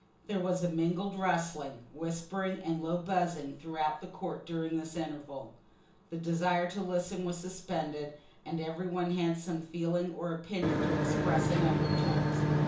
There was a mingled rustling, whispering, and low buzzing throughout the court during this interval. The desire to listen was suspended, and every one had some feeling or opinion to express in undertones.